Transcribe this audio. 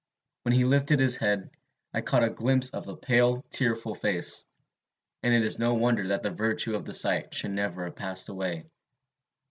When he lifted his head, I caught a glimpse of a pale, tearful face; and it is no wonder that the virtue of the sight should never have passed away.